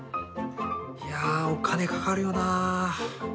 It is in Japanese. いやあ、お金かかるよな。